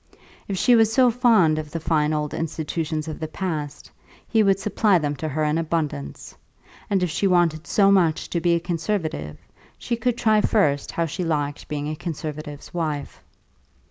If she was so fond of the fine old institutions of the past, he would supply them to her in abundance; and if she wanted so much to be a conservative, she could try first how she liked being a conservative's wife.